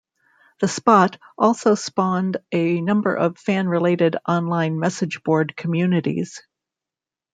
The Spot also spawned a number of fan-related online message board communities.